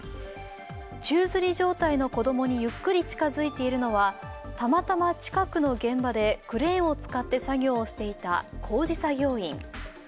宙づり状態の子供にゆっくり近づいているのは、たまたま近くの現場でクレーンを使って作業をしていた工事作業員。